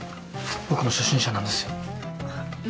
僕も初心者なんですよ。